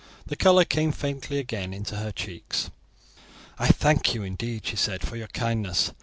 The colour came faintly again into her cheeks. "I thank you, indeed," she said, "for your kindness.